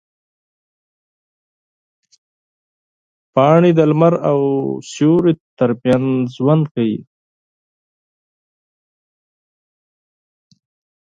پاڼې د لمر او سیوري ترمنځ ژوند کوي.